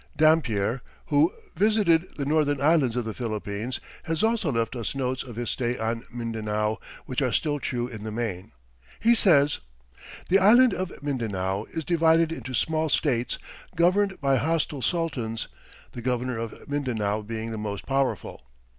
Dampier, who visited the northern islands of the Philippines, has also left us notes of his stay on Mindanao, which are still true in the main. He says: "The island of Mindanao is divided into small states, governed by hostile sultans, the governor of Mindanao being the most powerful.